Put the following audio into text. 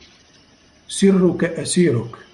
سرك أسيرك